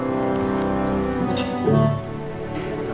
aku mau ke tempatnya